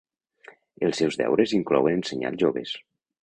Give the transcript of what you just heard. Els seus deures inclouen ensenyar als joves.